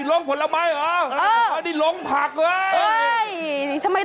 โอ้โหโอ้โหโอ้โห